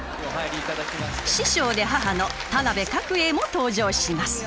師匠で母の田辺鶴英も登場します。